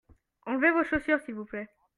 Enlevez-vos chaussures s'il vous plait.